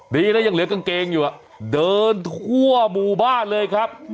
ดีนะยังเหลือกางเกงอยู่เดินทั่วหมู่บ้านเลยครับ